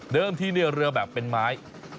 ที่เรือแบบเป็นไม้